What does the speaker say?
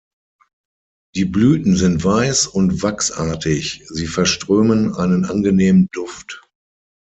Die Blüten sind weiß und wachsartig; sie verströmen einen angenehmen Duft.